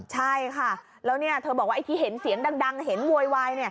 ใช่ค่ะแล้วเธอบอกว่าไอ้ที่เห็นเสียงดังเห็นโวยวาย